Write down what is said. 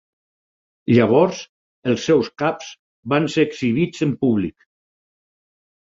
Llavors els seus caps van ser exhibits en públic.